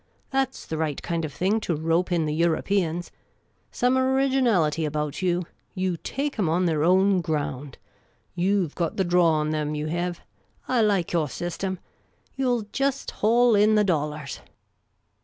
That 's the right kind of thing to rope in the Europeans. Some originality about you. You take 'em on their own ground. You 've got the draw on them, you hev. I like your system. You '11 jest haul in the dollars